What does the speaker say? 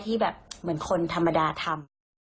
ที่แบบเหมือนคนธรรมดาทำ